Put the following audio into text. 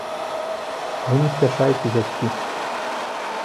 Вы не спяшайце, дзядзькі.